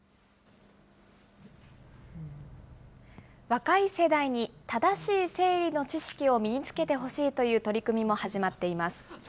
若い世代に正しい生理の知識を身につけてほしいという取り組みも始まっています。